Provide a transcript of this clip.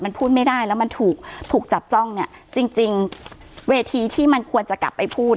มันพูดไม่ได้แล้วมันถูกจับจ้องจริงเวทีที่มันควรจะกลับไปพูด